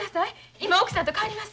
今奥さんと代わります。